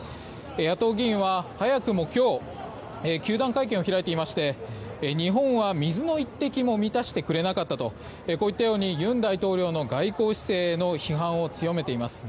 野党議員は早くも今日糾弾会見を開いていまして日本は水の一滴も満たしてくれなかったとこういったように尹大統領の外交姿勢への批判を強めています。